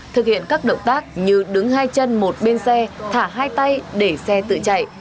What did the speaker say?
thực hiện các động tác như đứng hai chân một bên xe thả hai tay để xe tự chạy